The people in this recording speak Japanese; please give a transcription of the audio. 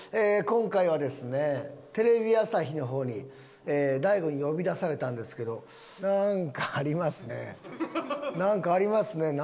今回はですねテレビ朝日の方に大悟に呼び出されたんですけどなんかありますね。